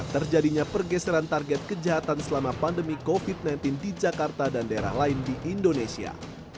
terjadinya pergeseran target kejahatan selama pandemi covid sembilan belas di jakarta dan daerah lain di indonesia